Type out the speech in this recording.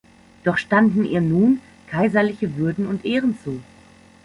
Doch standen ihr nun kaiserliche Würden und Ehren zu.